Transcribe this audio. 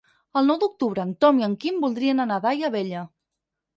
El nou d'octubre en Tom i en Quim voldrien anar a Daia Vella.